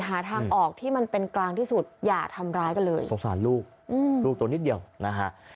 หาทางออกที่มันเป็นกลางที่สุดอย่าทำร้ายกันเลยสงสารลูกลูกตัวนิดเดียวนะฮะ